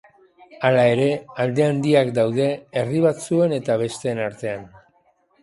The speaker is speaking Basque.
Hala ere, alde handiak daude herri batzuen eta besteen artean.